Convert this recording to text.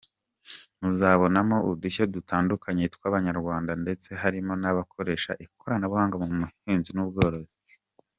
Muzabonamo udushya dutandukanye tw’Abanyarwanda ndetse harimo n’abakoresha ikoranabuhanga mu buhinzi n’ubworozi.